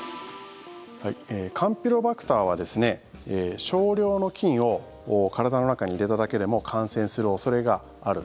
カンピロバクターは少量の菌を体の中に入れただけでも感染する恐れがある。